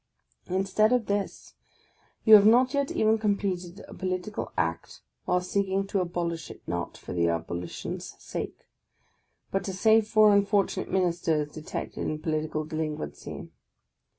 Instead of this, you have not yet even completed a political act, while seeking to abolish it not for the abolition's sake, but to save four unfortunate Ministers detected in political delinquency.